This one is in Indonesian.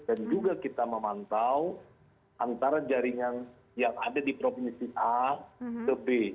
dan juga kita memantau antara jaringan yang ada di provinsi a ke b